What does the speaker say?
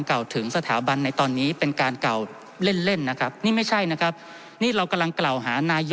เก่าถึงสถาบันในตอนนี้เป็นการเก่าเล่นนะครับนี่ไม่ใช่นะครับ